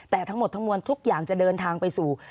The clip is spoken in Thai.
แต่ทั้งหมดทั้งมวลทุกอย่างจะเดินทางไปสู่